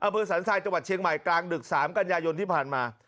อเภอสรรไซน์จังหวัดเชียงใหม่กลางดึกสามกันยายนที่ผ่านมา